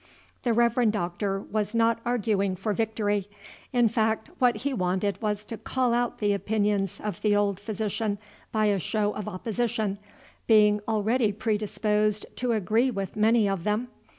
The Reverend Doctor was not arguing for victory. In fact, what he wanted was to call out the opinions of the old physician by a show of opposition, being already predisposed to agree with many of them.